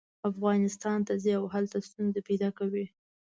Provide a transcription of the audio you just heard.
افغانستان ته ځي او هلته ستونزې پیدا کوي.